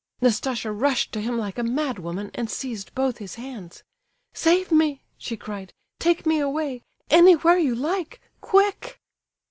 Nastasia rushed to him like a madwoman, and seized both his hands. "Save me!" she cried. "Take me away, anywhere you like, quick!"